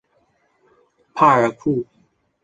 帕尔库。